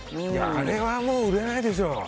あれはもう売れないでしょ。